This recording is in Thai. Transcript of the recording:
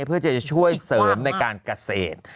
เพื่อจะช่วยเสริมในการเกษตร